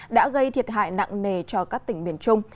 đã gây thiệt hại nặng nề cho các tỉnh miền trung